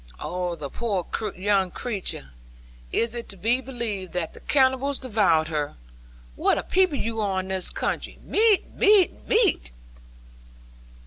Oh, the poor young creature! Is it to be believed that the cannibals devoured her! What a people you are in this country! Meat, meat, meat!'